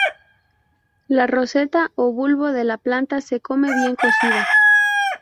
La roseta o bulbo de la planta se come, bien cocida.